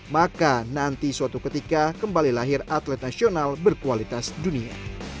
maka nanti suatu ketika kembali lahir atlet nasional berkualitas dunia